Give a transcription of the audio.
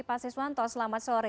pak siswanto selamat sore